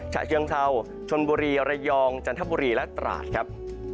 ชะเชืองเทาชนบุรีเรยองจันทปุฏิและตราสครับ